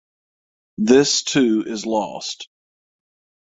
This too is lost.